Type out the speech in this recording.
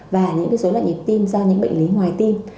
và những dối loạn nhịp tim ra những bệnh lý ngoài tim